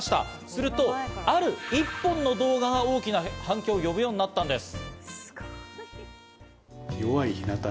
するとある１本の動画が大きな反響を呼ぶようになったんです。